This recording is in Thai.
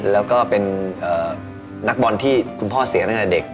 แล้วก็เป็นนักบอลที่คุณพ่อเสียตั้งแต่เด็ก